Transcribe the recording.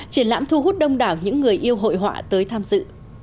triển lãm thu hút đông đảo những người yêu hội họa tới tham dự